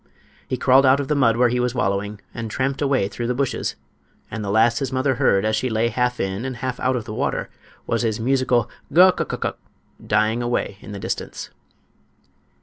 He crawled out of the mud where he was wallowing and tramped away through the bushes, and the last his mother heard as she lay half in and half out of the water was his musical "guk uk uk uk!" dying away in the distance.